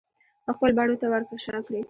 خپلو بڼو ته ورپه شا کړي